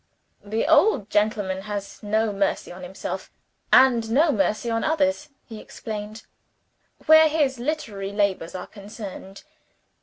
"The old gentleman has no mercy on himself, and no mercy on others," he explained, "where his literary labors are concerned.